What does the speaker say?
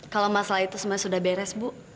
kalau masalah itu sebenarnya sudah beres bu